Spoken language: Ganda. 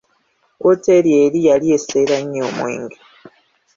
Wooteri eri yali esseera nnyo omwenge.